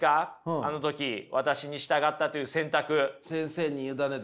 あの時私に従ったという選択。